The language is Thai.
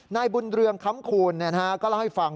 นายบุญเรืองค้ำคูณก็เล่าให้ฟัง